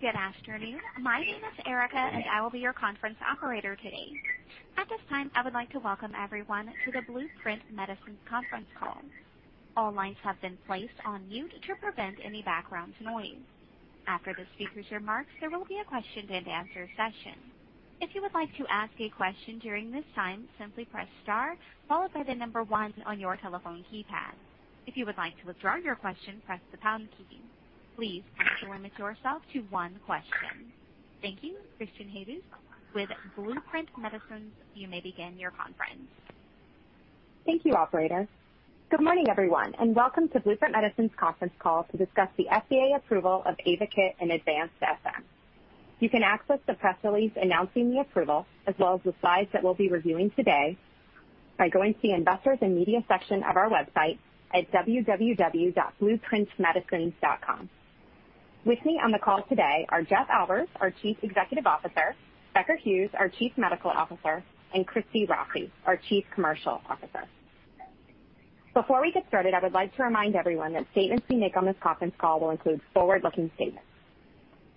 Good afternoon. My name is Erica, and I will be your conference operator today. At this time, I would like to welcome everyone to the Blueprint Medicines conference call. All lines have been placed on mute to prevent any background noise. After the speakers' remarks, there will be a question-and-answer session. If you would like to ask a question during this time, simply press star followed by the number one on your telephone keypad. If you would like to withdraw your question, press the pound key. Please, limit yourself to one question. Thank you. Kate Haviland with Blueprint Medicines, you may begin your conference. Thank you, operator. Good morning, everyone, and welcome to Blueprint Medicines' conference call to discuss the FDA approval of AYVAKIT and advanced SM. You can access the press release announcing the approval, as well as the slides that we'll be reviewing today, by going to the Investors and Media section of our website at www.blueprintmedicines.com. With me on the call today are Jeff Albers, our Chief Executive Officer, Becker Hewes, our Chief Medical Officer, and Christy Rossi, our Chief Commercial Officer. Before we get started, I would like to remind everyone that statements we make on this conference call will include forward-looking statements.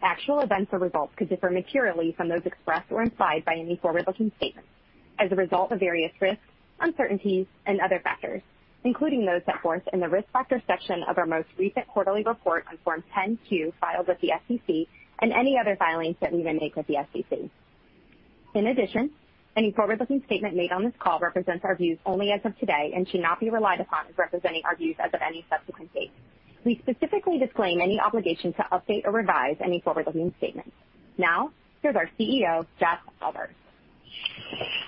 Actual events or results could differ materially from those expressed or implied by any forward-looking statements as a result of various risks, uncertainties, and other factors, including those set forth in the Risk Factor section of our most recent quarterly report on Form 10-Q filed with the SEC and any other filings that we may make with the SEC. In addition, any forward-looking statement made on this call represents our views only as of today and should not be relied upon for representing our views as of any subsequent date. We specifically disclaim any obligation to update or revise any forward-looking statements. Now, here's our CEO, Jeff Albers.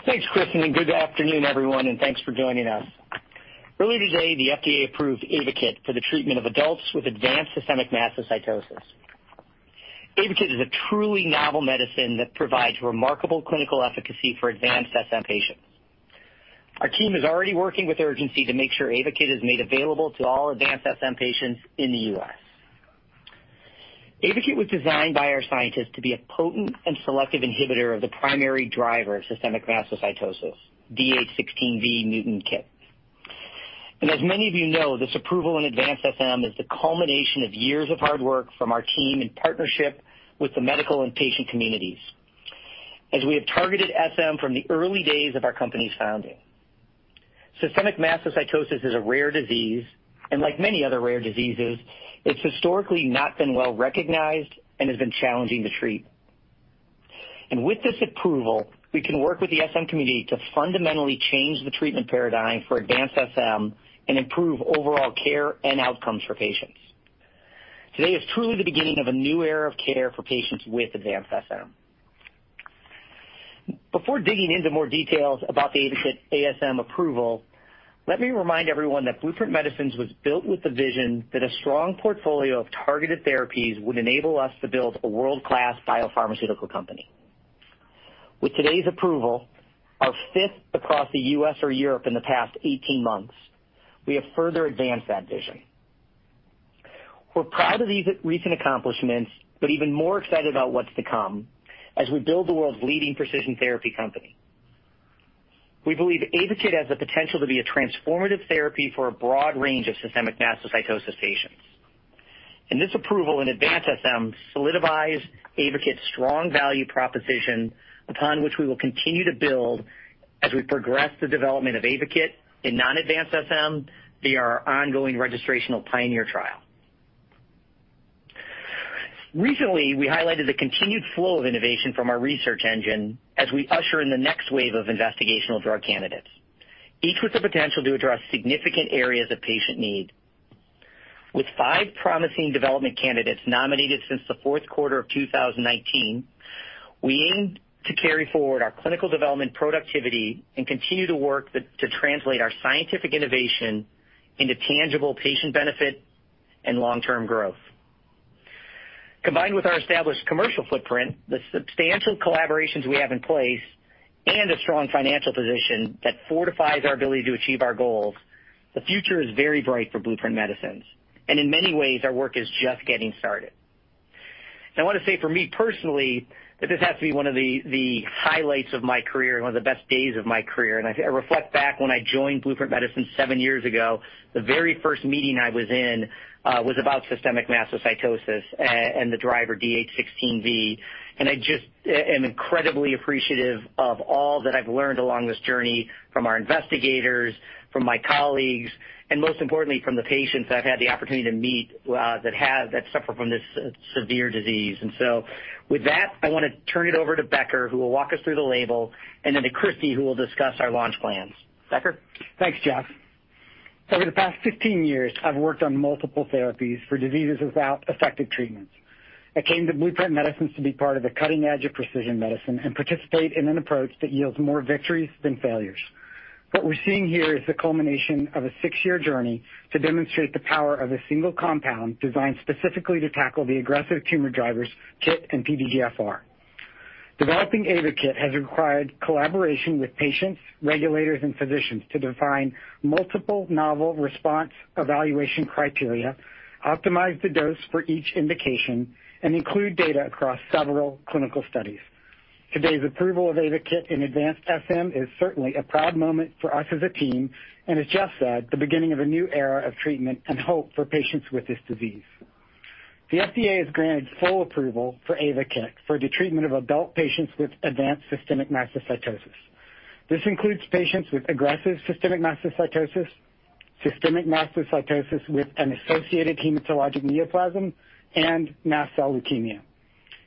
Thanks Kate. Good afternoon, everyone, thanks for joining us. Earlier today, the FDA approved AYVAKIT for the treatment of adults with advanced systemic mastocytosis. AYVAKIT is a truly novel medicine that provides remarkable clinical efficacy for advanced SM patients. Our team is already working with urgency to make sure AYVAKIT is made available to all advanced SM patients in the U.S. AYVAKIT was designed by our scientists to be a potent and selective inhibitor of the primary driver of systemic mastocytosis, KIT D816V. As many of you know, this approval in advanced SM is the culmination of years of hard work from our team in partnership with the medical and patient communities, as we have targeted SM from the early days of our company's founding. Systemic mastocytosis is a rare disease, like many other rare diseases, it's historically not been well-recognized and has been challenging to treat. With this approval, we can work with the SM community to fundamentally change the treatment paradigm for advanced SM and improve overall care and outcomes for patients. Today is truly the beginning of a new era of care for patients with advanced SM. Before digging into more details about the AYVAKIT ASM approval, let me remind everyone that Blueprint Medicines was built with the vision that a strong portfolio of targeted therapies would enable us to build a world-class biopharmaceutical company. With today's approval, our fifth across the U.S. or Europe in the past 18 months, we have further advanced that vision. We're proud of these recent accomplishments, but even more excited about what's to come as we build the world's leading precision therapy company. We believe AYVAKIT has the potential to be a transformative therapy for a broad range of systemic mastocytosis patients. This approval in advanced SM solidifies AYVAKIT's strong value proposition, upon which we will continue to build as we progress the development of AYVAKIT in non-advanced SM via our ongoing registrational Pioneer trial. Recently, we highlighted the continued flow of innovation from our research engine as we usher in the next wave of investigational drug candidates, each with the potential to address significant areas of patient need. With five promising development candidates nominated since the 4th quarter of 2019, we aim to carry forward our clinical development productivity and continue to work to translate our scientific innovation into tangible patient benefit and long-term growth. Combined with our established commercial footprint, the substantial collaborations we have in place, and a strong financial position that fortifies our ability to achieve our goals, the future is very bright for Blueprint Medicines. In many ways, our work is just getting started. I want to say for me personally, that this has to be one of the highlights of my career and one of the best days of my career. I reflect back when I joined Blueprint Medicines seven years ago, the very first meeting I was in was about systemic mastocytosis and the driver D816V, and I just am incredibly appreciative of all that I've learned along this journey from our investigators, from my colleagues, and most importantly, from the patients I've had the opportunity to meet that suffer from this severe disease. With that, I want to turn it over to Becker, who will walk us through the label, and then to Christy, who will discuss our launch plans. Becker. Thanks Jeff. Over the past 15 years, I've worked on multiple therapies for diseases without effective treatments. I came to Blueprint Medicines to be part of the cutting edge of precision medicine and participate in an approach that yields more victories than failures. What we're seeing here is the culmination of a six-year journey to demonstrate the power of a single compound designed specifically to tackle the aggressive tumor drivers KIT and PDGFR. Developing AYVAKIT has required collaboration with patients, regulators, and physicians to define multiple novel response evaluation criteria, optimize the dose for each indication, and include data across several clinical studies. Today's approval of AYVAKIT in advanced SM is certainly a proud moment for us as a team, and as Jeff said, the beginning of a new era of treatment and hope for patients with this disease. The FDA has granted full approval for AYVAKIT for the treatment of adult patients with advanced systemic mastocytosis. This includes patients with aggressive systemic mastocytosis, systemic mastocytosis with an associated hematologic neoplasm, and mast cell leukemia.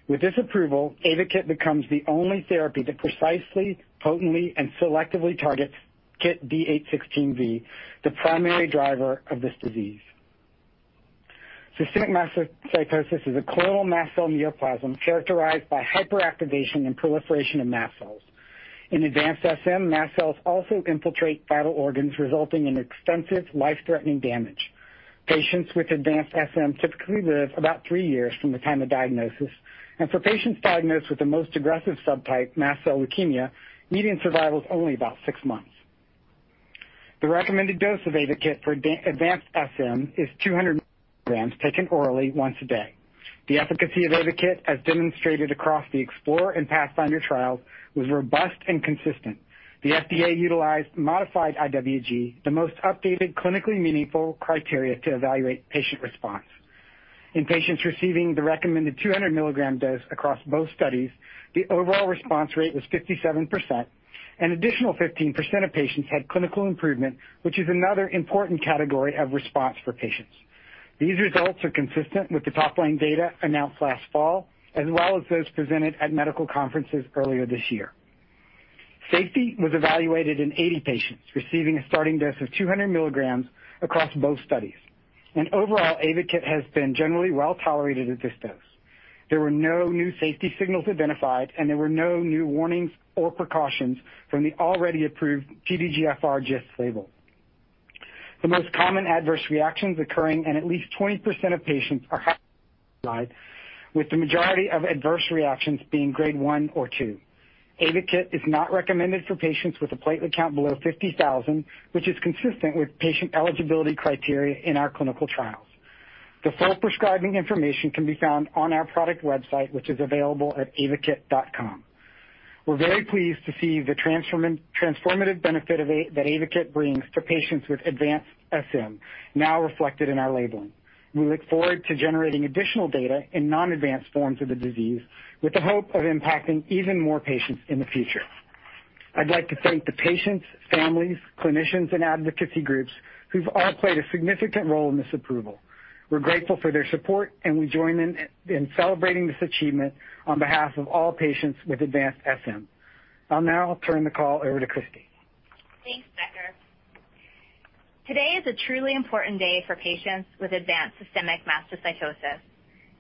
With this approval, AYVAKIT becomes the only therapy that precisely, potently, and selectively targets KIT D816V, the primary driver of this disease. Systemic mastocytosis is a clonal mast cell neoplasm characterized by hyperactivation and proliferation of mast cells. In advanced SM, mast cells also infiltrate vital organs, resulting in extensive, life-threatening damage. Patients with advanced SM typically live about three years from the time of diagnosis, and for patients diagnosed with the most aggressive subtype, mast cell leukemia, median survival is only about six months. The recommended dose of AYVAKIT for advanced SM is 200 milligrams taken orally once a day. The efficacy of AYVAKIT, as demonstrated across the Explorer and Pathfinder trial, was robust and consistent. The FDA utilized modified IWG, the most updated, clinically meaningful criteria to evaluate patient response. In patients receiving the recommended 200 milligram dose across both studies, the overall response rate was 57%. An additional 15% of patients had clinical improvement, which is another important category of response for patients. These results are consistent with the top-line data announced last fall, as well as those presented at medical conferences earlier this year. Safety was evaluated in 80 patients receiving a starting dose of 200 milligrams across both studies. Overall, AYVAKIT has been generally well-tolerated at this dose. There were no new safety signals identified, and there were no new warnings or precautions from the already approved PDGFRA GIST label. The most common adverse reactions occurring in at least 20% of patients are with the majority of adverse reactions being Grade one or two. AYVAKIT is not recommended for patients with a platelet count below 50,000, which is consistent with patient eligibility criteria in our clinical trials. The full prescribing information can be found on our product website, which is available at AYVAKIT.com. We're very pleased to see the transformative benefit that AYVAKIT brings for patients with advanced SM now reflected in our labeling. We look forward to generating additional data in non-advanced forms of the disease with the hope of impacting even more patients in the future. I'd like to thank the patients, families, clinicians, and advocacy groups who've all played a significant role in this approval. We're grateful for their support, and we join them in celebrating this achievement on behalf of all patients with advanced SM. I'll now turn the call over to Christy. Thanks Becker. Today is a truly important day for patients with advanced systemic mastocytosis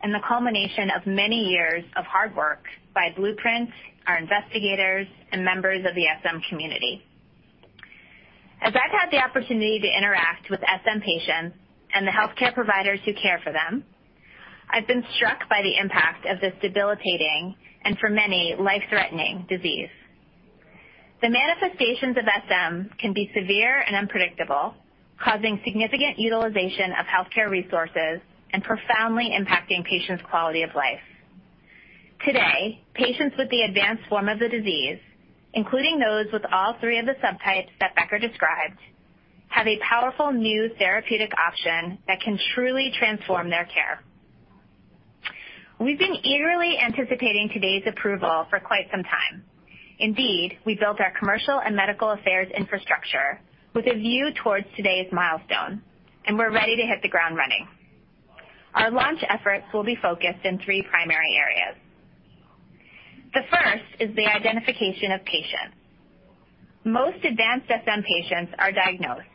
and the culmination of many years of hard work by Blueprint, our investigators, and members of the SM community. As I've had the opportunity to interact with SM patients and the healthcare providers who care for them, I've been struck by the impact of this debilitating and, for many, life-threatening disease. The manifestations of SM can be severe and unpredictable, causing significant utilization of healthcare resources and profoundly impacting patients' quality of life. Today, patients with the advanced form of the disease, including those with all three of the subtypes that Becker described, have a powerful new therapeutic option that can truly transform their care. We've been eagerly anticipating today's approval for quite some time. Indeed, we built our commercial and medical affairs infrastructure with a view towards today's milestone, and we're ready to hit the ground running. Our launch efforts will be focused in three primary areas. The first is the identification of patients. Most advanced SM patients are diagnosed,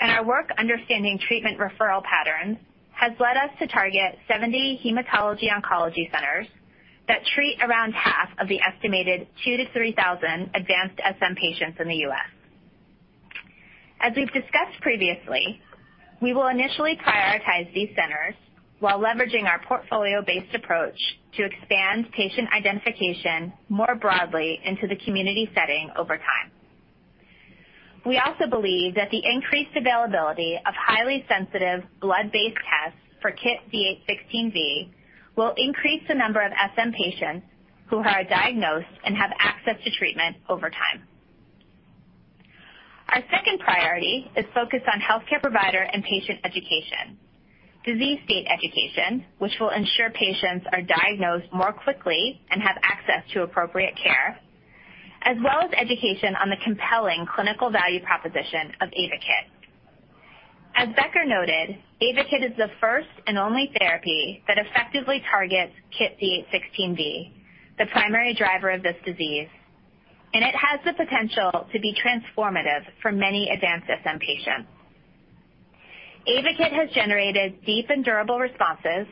and our work understanding treatment referral patterns has led us to target 70 hematology-oncology centers that treat around half of the estimated 2,000-3,000 advanced SM patients in the U.S. As we've discussed previously, we will initially prioritize these centers while leveraging our portfolio-based approach to expand patient identification more broadly into the community setting over time. We also believe that the increased availability of highly sensitive blood-based tests for KIT D816V will increase the number of SM patients who are diagnosed and have access to treatment over time. Our second priority is focused on healthcare provider and patient education, disease state education, which will ensure patients are diagnosed more quickly and have access to appropriate care, as well as education on the compelling clinical value proposition of AYVAKIT. As Becker noted, AYVAKIT is the first and only therapy that effectively targets KIT D816V, the primary driver of this disease, and it has the potential to be transformative for many advanced SM patients. AYVAKIT has generated deep and durable responses,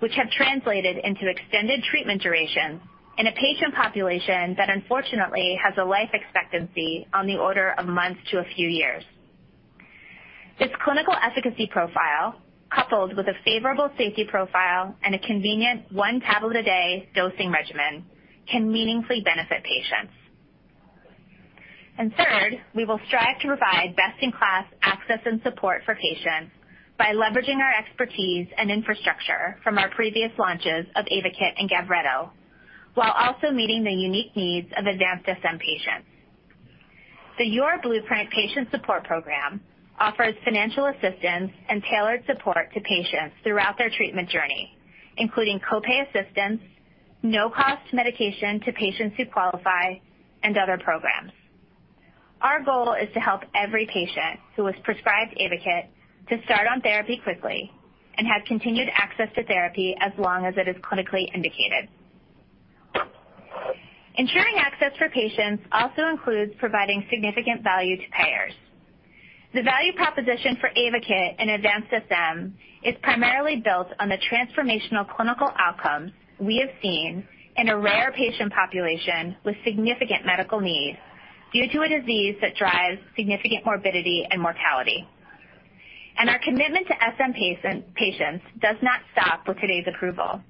which have translated into extended treatment duration in a patient population that unfortunately has a life expectancy on the order of months to a few years. Its clinical efficacy profile, coupled with a favorable safety profile and a convenient one tablet a day dosing regimen, can meaningfully benefit patients. Third, we will strive to provide best-in-class access and support for patients by leveraging our expertise and infrastructure from our previous launches of AYVAKIT and GAVRETO, while also meeting the unique needs of advanced SM patients. The YourBlueprint Patient Support Program offers financial assistance and tailored support to patients throughout their treatment journey, including copay assistance, no-cost medication to patients who qualify, and other programs. Our goal is to help every patient who is prescribed AYVAKIT to start on therapy quickly and have continued access to therapy as long as it is clinically indicated. Ensuring access for patients also includes providing significant value to payers. The value proposition for AYVAKIT in advanced SM is primarily built on the transformational clinical outcomes we have seen in a rare patient population with significant medical needs due to a disease that drives significant morbidity and mortality. Our commitment to SM patients does not stop with today's approval.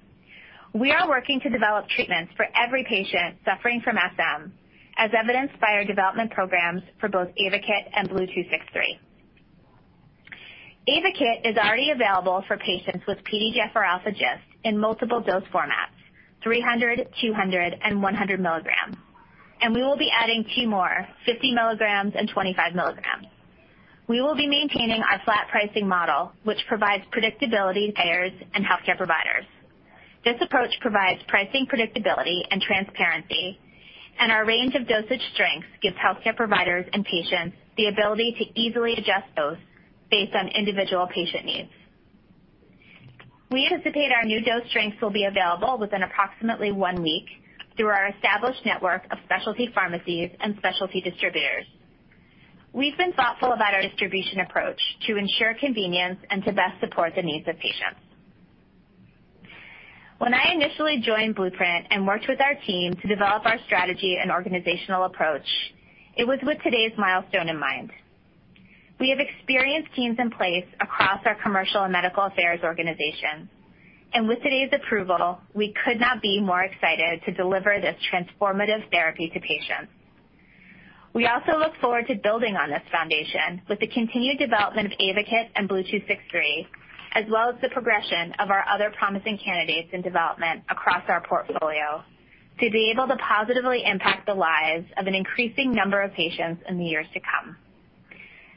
We are working to develop treatments for every patient suffering from SM, as evidenced by our development programs for both AYVAKIT and BLU-263. AYVAKIT is already available for patients with PDGFRα GIST in multiple dose formats, 300, 200, and 100 milligrams, and we will be adding 2 more, 50 milligrams and 25 milligrams. We will be maintaining our flat pricing model, which provides predictability to payers and healthcare providers. This approach provides pricing predictability and transparency, and our range of dosage strengths gives healthcare providers and patients the ability to easily adjust those based on individual patient needs. We anticipate our new dose strengths will be available within approximately one week through our established network of specialty pharmacies and specialty distributors. We've been thoughtful about our distribution approach to ensure convenience and to best support the needs of patients. When I initially joined Blueprint and worked with our team to develop our strategy and organizational approach, it was with today's milestone in mind. We have experienced teams in place across our commercial and medical affairs organization. With today's approval, we could not be more excited to deliver this transformative therapy to patients. We also look forward to building on this foundation with the continued development of AYVAKIT and BLU-263, as well as the progression of our other promising candidates in development across our portfolio to be able to positively impact the lives of an increasing number of patients in the years to come.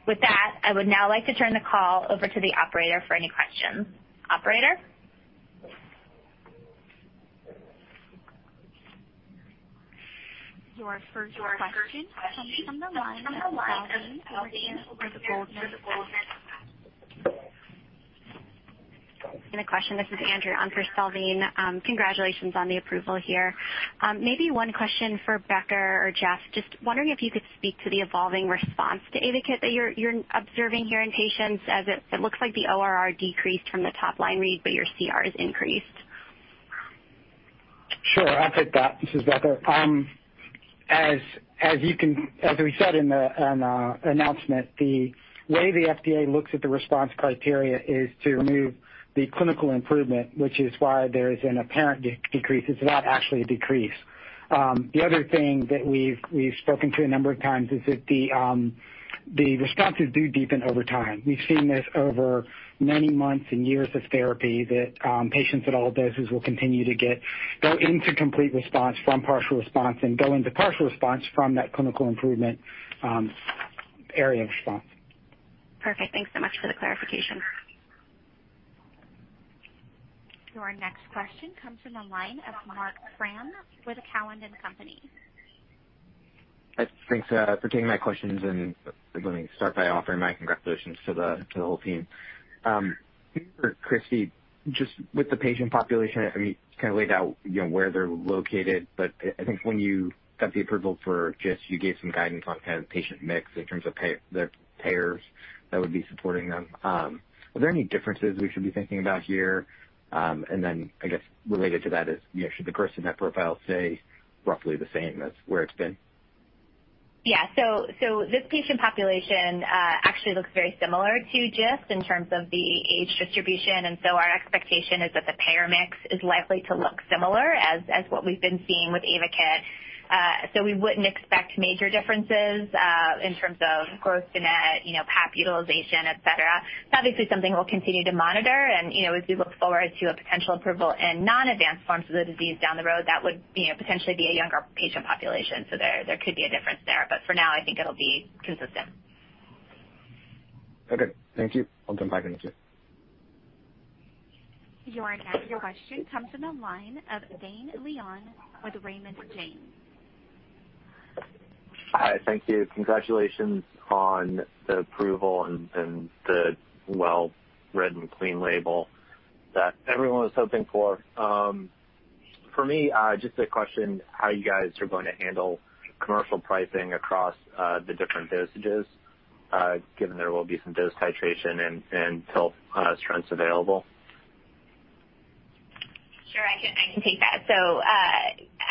With that, I would now like to turn the call over to the operator for any questions. Operator? Your first question comes from the line of Salveen Richter with Goldman Sachs. Good question. This is Andrew on for Salveen. Congratulations on the approval here. Maybe one question for Becker or Jeff. Just wondering if you could speak to the evolving response to AYVAKIT that you're observing here in patients as it looks like the ORR decreased from the top line read, but your CR has increased. Sure. I'll take that. This is Becker. As we said in the announcement, the way the FDA looks at the response criteria is to remove the clinical improvement, which is why there's an apparent decrease. It's not actually a decrease. The other thing that we've spoken to a number of times is that the responses do deepen over time. We've seen this over many months and years of therapy that patients at all doses will continue to get into complete response from partial response and go into partial response from that clinical improvement area of response. Perfect. Thanks so much for the clarification. Your next question comes from the line of Marc Frahm with Cowen and Company. Thanks for taking my questions. Let me start by offering my congratulations to the whole team. For Christy, just with the patient population, can you lay out where they're located? I think when you got the approval for GIST, you gave some guidance on kind of patient mix in terms of the payers that would be supporting them. Are there any differences we should be thinking about here? I guess related to that is should the person at profile stay roughly the same as where it's been? Yeah. This patient population actually looks very similar to GIST in terms of the age distribution, and our expectation is that the payer mix is likely to look similar as what we've been seeing with AYVAKIT. We wouldn't expect major differences in terms of course, path utilization, et cetera. That'll be something we'll continue to monitor, and we do look forward to a potential approval in non-advanced forms of the disease down the road that would potentially be a younger patient population. There could be a difference there. For now, I think it'll be consistent. Okay. Thank you. I'll come back in a bit. Your next question comes from the line of Dane Leone with Raymond James. Hi. Thank you. Congratulations on the approval and the well-written, clean label that everyone was hoping for. For me, just a question, how you guys are going to handle commercial pricing across the different dosages, given there will be some dose titration until strengths available. Sure, I can take that.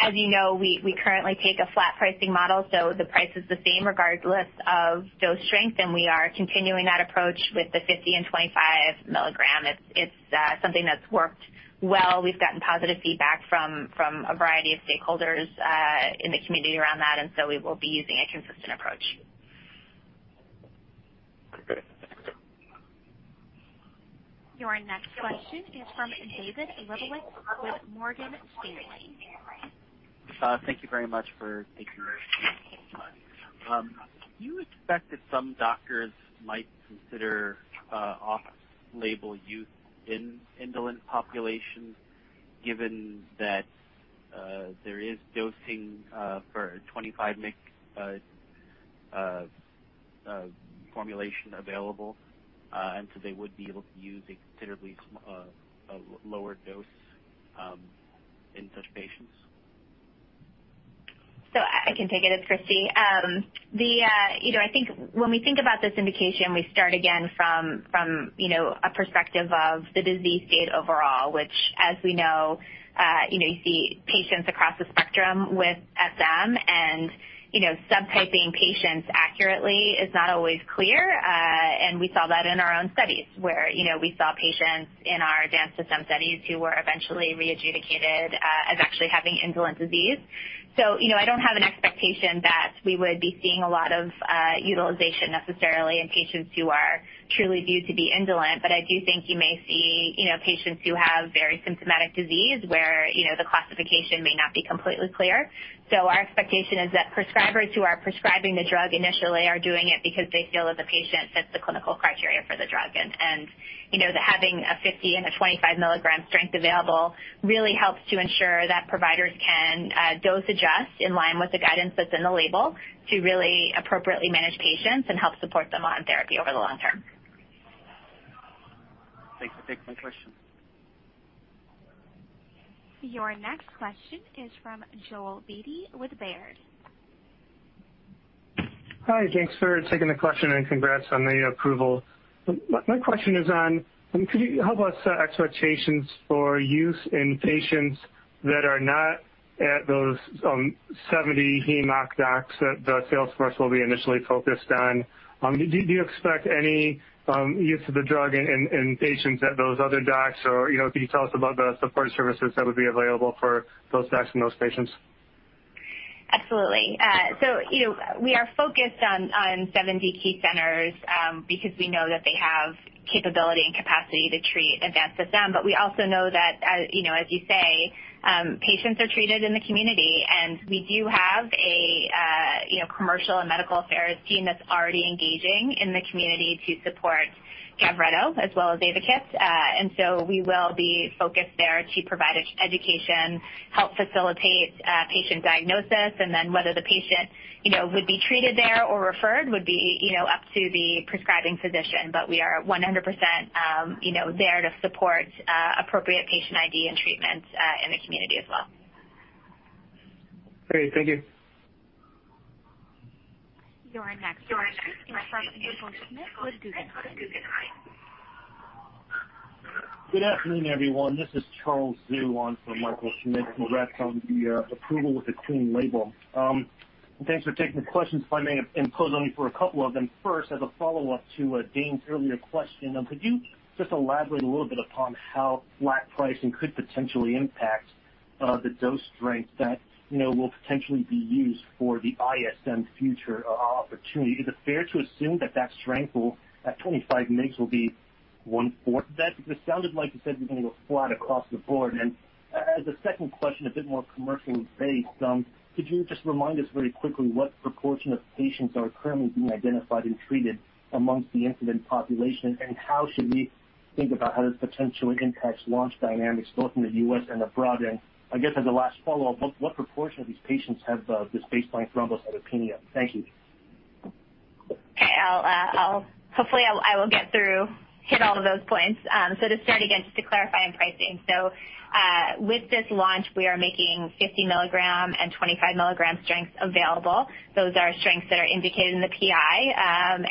As you know, we currently take a flat pricing model, so the price is the same regardless of dose strength, and we are continuing that approach with the 50 and 25 milligram. It's something that's worked well. We've gotten positive feedback from a variety of stakeholders in the community around that, and so we will be using a consistent approach. Your next question is from David Lebowitz with Morgan Stanley. Thank you very much for taking our questions. Do you expect that some doctors might consider off-label use in indolent populations, given that there is dosing for a 25 mg formulation available, and so they would be able to use a considerably lower dose in such patients? I can take it as Christy. When we think about this indication, we start again from a perspective of the disease state overall, which as we know, the patients across the spectrum with SM and subtyping patients accurately is not always clear. We saw that in our own studies where we saw patients in our advanced SM studies who were eventually readjudicated as actually having indolent disease. I don't have an expectation that we would be seeing a lot of utilization necessarily in patients who are truly due to be indolent. I do think you may see patients who have very symptomatic disease where the classification may not be completely clear. Our expectation is that prescribers who are prescribing the drug initially are doing it because they feel that the patient fits the clinical criteria for the drug. That having a 50 and a 25 milligram strength available really helps to ensure that providers can dose adjust in line with the guidance that's in the label to really appropriately manage patients and help support them on therapy over the long term. Thanks. Thanks for the question. Your next question is from Joel Beatty with Baird. Hi, thanks for taking the question and congrats on the approval. Can you help us set expectations for use in patients that are not at those 70 hem-onc docs that the sales force will be initially focused on? Do you expect any use of the drug in patients at those other docs? Can you tell us about the support services that would be available for those docs and those patients? Absolutely. We are focused on 70 key centers because we know that they have capability and capacity to treat advanced SM. We also know that, as you say, patients are treated in the community, we do have a commercial and medical affairs team that's already engaging in the community to support GAVRETO as well as AYVAKIT. We will be focused there to provide education, help facilitate patient diagnosis, whether the patient would be treated there or referred would be up to the prescribing physician. We are 100% there to support appropriate patient ID and treatment in the community as well. Great. Thank you. Your next question is from Michael Schmidt with Guggenheim Securities. Good afternoon, everyone. This is Charles Zhu on for Michael Schmidt. Congrats on the approval with the tuned label. Thanks for taking the questions. If I may impose on you for a couple of them. First, as a follow-up to Dane's earlier question, could you just elaborate a little bit upon how flat pricing could potentially impact the dose strength that will potentially be used for the ISM future opportunity? Is it fair to assume that that strength will, that 25 mgs will be 1/4? It sounded like you said it was going to go flat across the board. As a second question, a bit more commercially based. Could you just remind us very quickly what proportion of patients are currently being identified and treated amongst the indolent population? How should we think about how this potentially impacts launch dynamics both in the U.S. and abroad? I guess as a last follow-up, what proportion of these patients have this baseline thrombocytopenia? Thank you. Hopefully, I will get through hit all of those points. To start, again, just to clarify on pricing. With this launch, we are making 50 milligram and 25 milligram strengths available. Those are strengths that are indicated in the PI.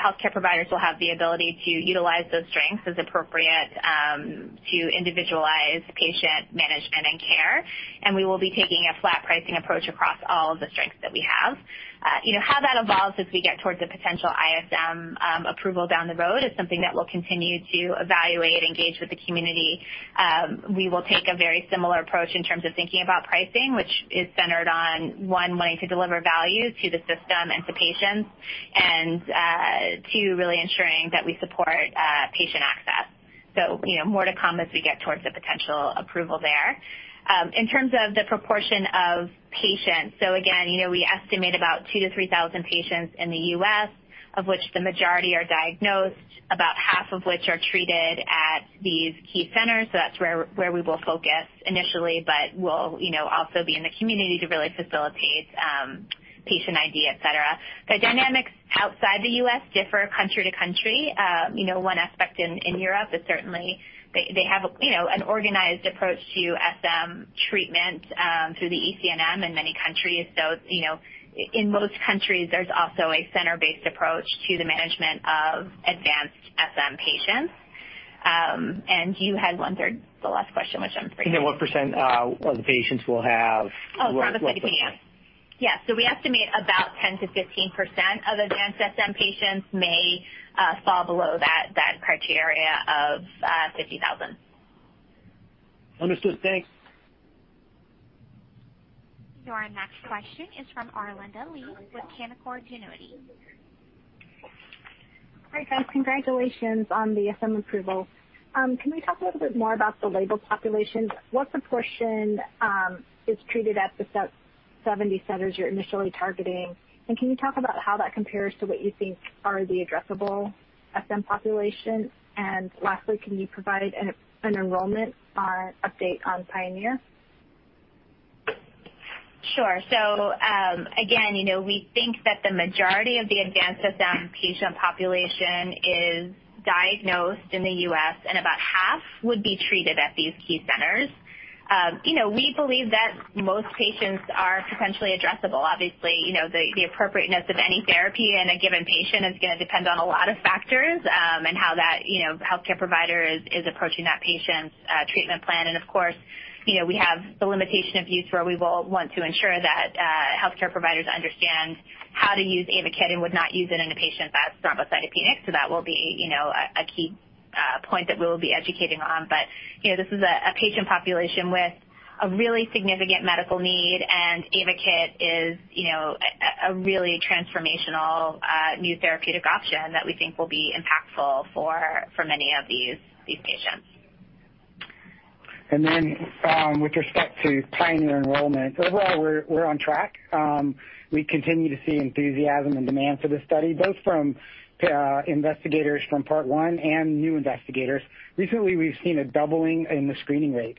Healthcare providers will have the ability to utilize those strengths as appropriate to individualize patient management and care. We will be taking a flat pricing approach across all of the strengths that we have. How that evolves as we get towards a potential ISM approval down the road is something that we'll continue to evaluate and engage with the community. We will take a very similar approach in terms of thinking about pricing, which is centered on 1 way to deliver value to the system and to patients, and 2, really ensuring that we support patient access. More to come as we get towards the potential approval there. In terms of the proportion of patients. Again, we estimate about 2 to 3,000 patients in the U.S., of which the majority are diagnosed, about half of which are treated at these key centers. That's where we will focus initially, but we'll also be in the community to really facilitate patient ID, et cetera. The dynamics outside the U.S. differ country to country. One aspect in Europe is certainly they have an organized approach to SM treatment through the ECNM in many countries. In most countries, there's also a center-based approach to the management of advanced SM patients. You had 1/3, the last question, which I'm sorry. Yeah, what percent of patients will have- Oh, thrombocytopenia. Yeah. We estimate about 10%-15% of advanced SM patients may fall below that criteria of 50,000. Understood. Thanks. Your next question is from Arlinda Lee with Canaccord Genuity. Hi, guys. Congratulations on the SM approval. Can you talk a little bit more about the label population? What proportion is treated at the 70 centers you're initially targeting, and can you talk about how that compares to what you think are the addressable SM population? Lastly, can you provide an enrollment update on PIONEER? Again, we think that the majority of the advanced SM patient population is diagnosed in the U.S. and about half would be treated at these key centers. We believe that most patients are potentially addressable. Obviously, the appropriateness of any therapy in a given patient is going to depend on a lot of factors and how that healthcare provider is approaching that patient's treatment plan. Of course, we have the limitation of use where we will want to ensure that healthcare providers understand how to use AYVAKIT and would not use it in a patient that's thrombocytopenic. That will be a key point that we'll be educating on. This is a patient population with a really significant medical need, and AYVAKIT is a really transformational new therapeutic option that we think will be impactful for many of these patients. With respect to PIONEER enrollment, overall, we're on track. We continue to see enthusiasm and demand for the study, both from investigators from Part 1 and new investigators. Recently, we've seen a doubling in the screening rate.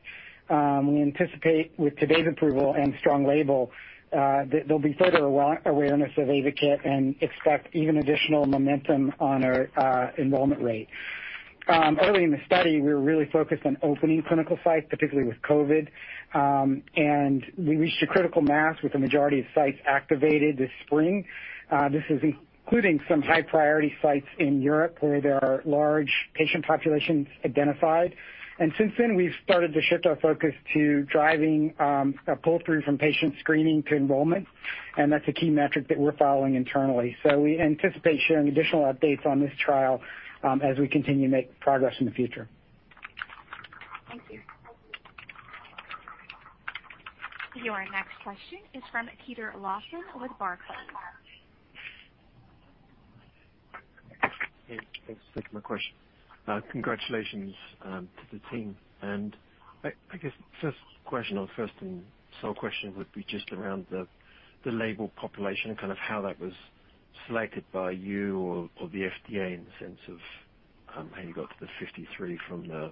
We anticipate with today's approval and strong label that there'll be further awareness of AYVAKIT and expect even additional momentum on our enrollment rate. Early in the study, we were really focused on opening clinical sites, particularly with COVID. We reached a critical mass with the majority of sites activated this spring. This is including some high-priority sites in Europe where there are large patient populations identified. Since then, we've started to shift our focus to driving a pull-through from patient screening to enrollment. That's a key metric that we're following internally. We anticipate sharing additional updates on this trial as we continue to make progress in the future. Thank you. Your next question is from Peter Lawson with Barclays. Thanks. Thanks for my question. Congratulations to the team. I guess first question or first and sole question would be just around the label population, how that was selected by you or the FDA in the sense of how you got to the 53 from the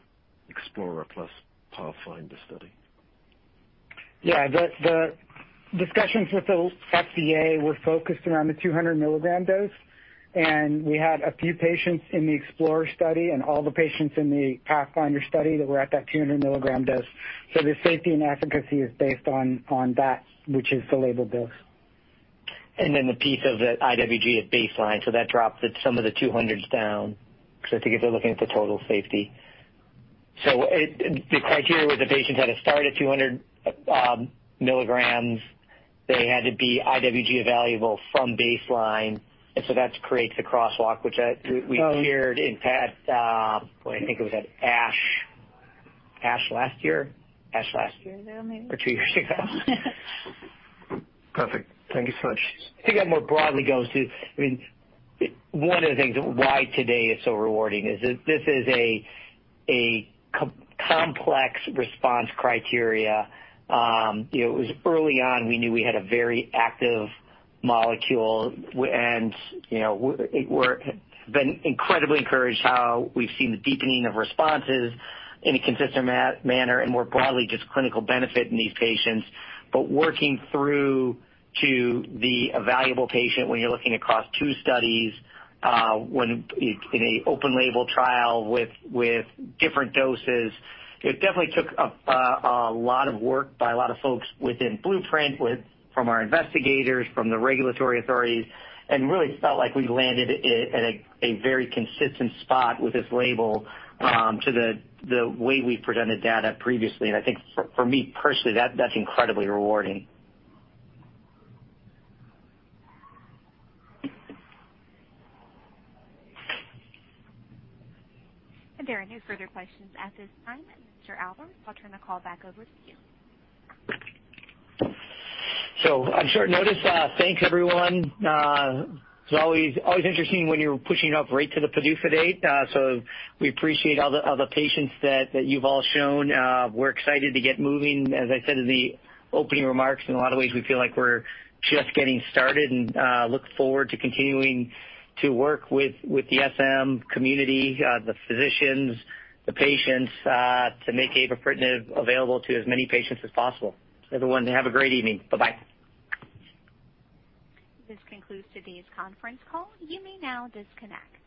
EXPLORER plus PATHFINDER study. Yeah. The discussions with the FDA were focused around the 200 milligram dose, and we had a few patients in the EXPLORER study and all the patients in the PATHFINDER study that were at that 200 milligram dose. The safety and efficacy is based on that, which is the label dose. The piece of the IWG at baseline dropped some of the 200s down because I think they were looking for total safety. The criteria where the patients had to start at 200 milligrams, they had to be IWG evaluable from baseline. That creates the crosswalk, which we shared, in fact, I think it was at ASH 2020. Yeah, maybe. Two years ago. Perfect. Thank you so much. I think more broadly, one of the things why today is so rewarding is this is a complex response criteria. Early on, we knew we had a very active molecule, and we're incredibly encouraged how we've seen deepening of responses in a consistent manner and more broadly, just clinical benefit in these patients. Working through to the evaluable patient when you're looking across two studies, when it's in an open label trial with different doses, it definitely took a lot of work by a lot of folks within Blueprint, from our investigators, from the regulatory authorities, and really felt like we landed at a very consistent spot with this label to the way we've presented data previously. I think for me personally, that's incredibly rewarding. There are no further questions at this time. Mr. Albers, I'll turn the call back over to you. On short notice, thanks, everyone. It's always interesting when you're pushing up right to the PDUFA date. We appreciate all the patience that you've all shown. We're excited to get moving. As I said in the opening remarks, in a lot of ways, we feel like we're just getting started and look forward to continuing to work with the SM community, the physicians, the patients, to make avapritinib available to as many patients as possible. Everyone, have a great evening. Bye-bye. This concludes today's conference call. You may now disconnect.